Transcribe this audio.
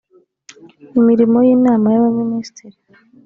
imirimo y inama y abaminisitiri